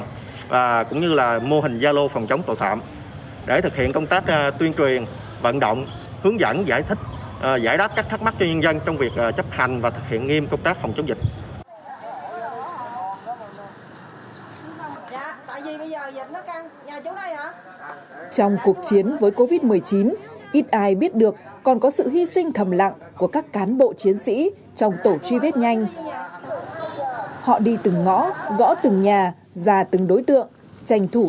trành thủ từng nhà trành thủ từng nhà trành thủ từng nhà trành thủ từng nhà trành thủ từng nhà trành thủ từng nhà trành thủ từng nhà trành thủ từng nhà trành thủ từng nhà trành thủ từng nhà